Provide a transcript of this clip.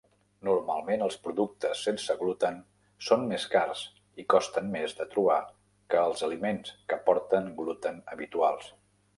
Normalment els productes sense gluten són més cars i costen més de trobar que els aliments que porten gluten habituals.